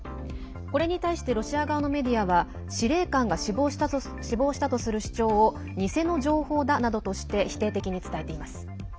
これに対してロシア側のメディアは司令官が死亡したとする主張を偽の情報だなどとして否定的に伝えています。